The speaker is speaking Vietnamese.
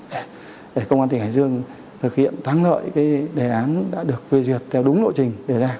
để công an tỉnh hải dương thực hiện thắng lợi đề án đã được quyền duyệt theo đúng lộ trình